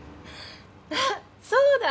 あっそうだ。